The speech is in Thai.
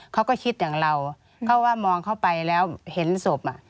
เขาก็คิดอย่างเราเขาว่ามองเข้าไปแล้วเห็นศพ